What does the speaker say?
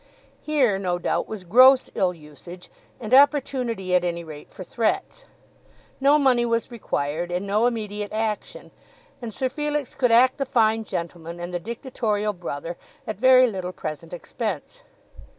Here, no doubt, was gross ill usage, and opportunity at any rate for threats. No money was required and no immediate action, and Sir Felix could act the fine gentleman and the dictatorial brother at very little present expense.